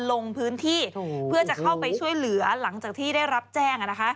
ลงพื้นที่เพื่อจะเข้าไปช่วยเหลือหลังจากที่ได้รับแจ้ง